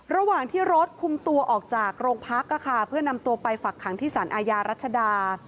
ระหว่างที่รถคุมตัวออกจากโรงพักเพื่อนำตัวไปฝักขังที่สารอาญารัชดา